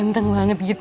ganteng banget gitu